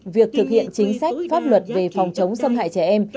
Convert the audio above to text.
việc thực hiện chính sách pháp luật về phòng chống xâm hại trẻ em